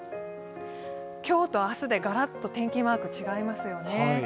今日と明日でがらっと天気マーク違いますよね。